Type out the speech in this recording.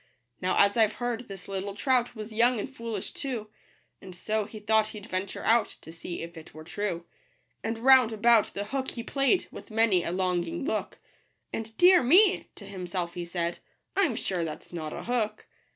Now, as I've heard, this little trout Was young and foolish too ; And so he thought he'd venture out, To see if it were true. And round about the hook he play'd, With many a longing look ; And " Dear me," to himself he said, " I'm sure that's not a hook.